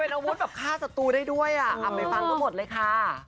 เป็นอาวุธแบบฆ่าศัตรูได้ด้วยอ่ะอำเมฟังก็หมดเลยค่ะ